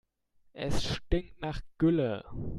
Es stinkt nach Gülle.